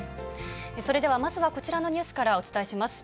それではまずはこちらのニュースからお伝えします。